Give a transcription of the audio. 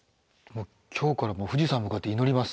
今日からもう富士山向かって祈ります